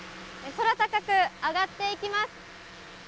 空高く上がっていきます。